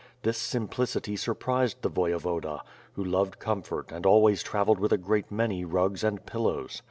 This simplicity surprised the Voyevoda, who loved comfort and always travelled with a great many rugs and pillows.